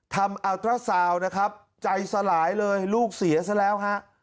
อัลตราซาวนะครับใจสลายเลยลูกเสียซะแล้วฮะ